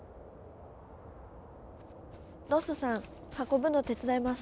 ロッソさん運ぶの手伝います。